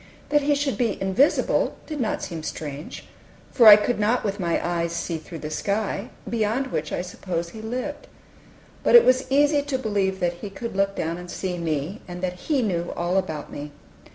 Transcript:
That He should be invisible did not seem strange, for I could not with my eyes see through the sky, beyond which I supposed he lived. But it was easy to believe that He could look down and see me, and that He knew all about me.